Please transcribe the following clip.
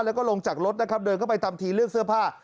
แล้วก็ลงจากรถนะครับเดินเข้าไปทำทีเลือกเสื้อผ้า